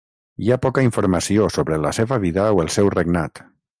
Hi ha poca informació sobre la seva vida o el seu regnat.